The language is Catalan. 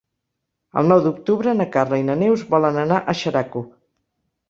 El nou d'octubre na Carla i na Neus volen anar a Xeraco.